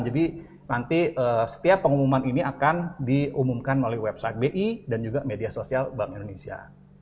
jadi nanti setiap pengumuman ini akan diumumkan melalui website bi dan juga media sosial bank indonesia